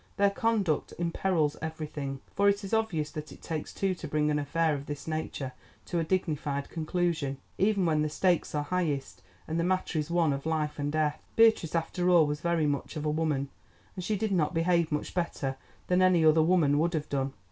Their conduct imperils everything, for it is obvious that it takes two to bring an affair of this nature to a dignified conclusion, even when the stakes are highest, and the matter is one of life and death. Beatrice after all was very much of a woman, and she did not behave much better than any other woman would have done.